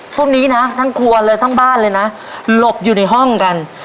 พวกนี้นะทั้งครัวเลยทั้งบ้านเลยนะหลบอยู่ในห้องกัน